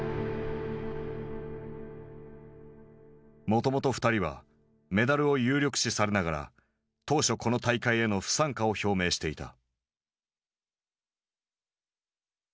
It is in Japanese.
もともと２人はメダルを有力視されながら当初この大会への不参加を表明していた。